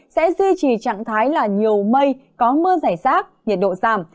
sẽ duy trì trạng thái là nhiều mây có mưa rải rác nhiệt độ giảm